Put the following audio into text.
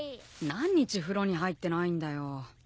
何日風呂に入ってないんだよ。